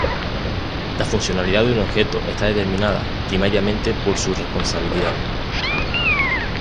La funcionalidad de un objeto está determinada, primariamente, por su responsabilidad.